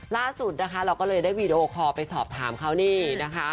ล่าสุดนะคะเราก็เลยได้วีดีโอคอลไปสอบถามเขานี่นะคะ